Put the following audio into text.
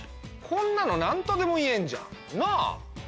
こんなの何とでも言えんじゃんなぁ？